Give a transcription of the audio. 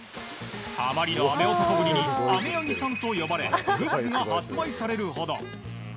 あまりの雨男ぶりに雨柳さんと呼ばれグッズが発売されるほど。